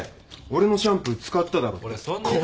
「俺のシャンプー使っただろ」って。